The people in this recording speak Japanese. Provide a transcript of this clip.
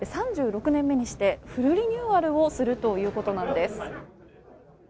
３６年目にしてフルリニューアルをするということなんです。